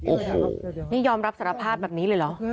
โอ้โหนี่ยอมรับสารภาพแบบนี้เลยเหรอ